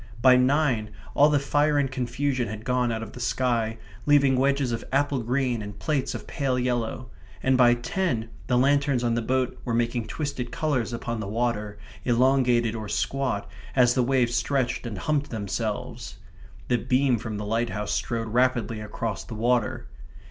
By nine all the fire and confusion had gone out of the sky, leaving wedges of apple green and plates of pale yellow; and by ten the lanterns on the boat were making twisted colours upon the waves, elongated or squat, as the waves stretched or humped themselves. The beam from the lighthouse strode rapidly across the water.